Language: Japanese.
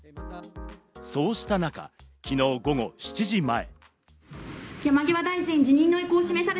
そうした中、昨日午後７時前。